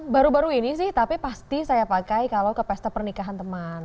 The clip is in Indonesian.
baru baru ini sih tapi pasti saya pakai kalau ke pesta pernikahan teman